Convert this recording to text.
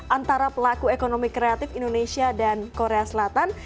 antara pelaku ekonomi kreatif indonesia dan korea selatan